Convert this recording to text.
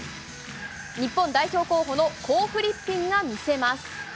日本代表候補のコー・フリッピンが見せます。